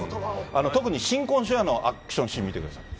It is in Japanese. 特に新婚初夜のアクションシーン、見てください。